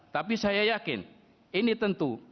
tapi saya yakin ini tentu